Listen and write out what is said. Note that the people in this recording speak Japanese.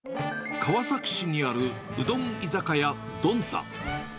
川崎市にあるうどん居酒屋どんた。